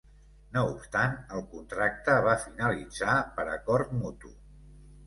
No obstant, el contracte va finalitzar per "acord mutu".